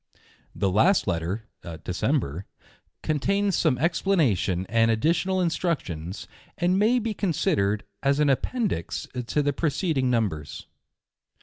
The last Letter (December) contains some explana (isuo and additional instructions, and may be considered as an Appendix to the preceding numbers.